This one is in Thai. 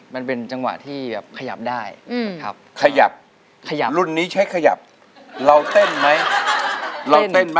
มันเป็นจังหวะที่แบบขยับได้ครับ